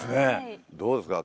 どうですか？